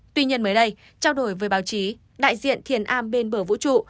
tuy nhiên mới đây trao đổi với báo chí đại diện thiền a bên bờ vũ trụ